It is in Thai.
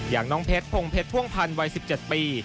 อย่างน้องเพชรพงเพชรพ่วงพันธ์วัย๑๗ปี